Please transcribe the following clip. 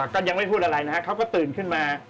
ก็ยังไม่พูดอะไรนะครับเขาก็ตื่นขึ้นมา